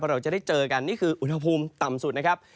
เราจะได้เจอกันนี่คืออุณหภูมิต่ำสุดนะครับ